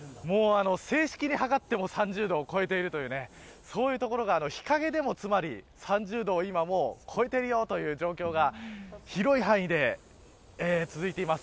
正式に測っても３０度を超えているというそういう所が日陰でもつまり３０度を今超えているという状況が広い範囲で続いています。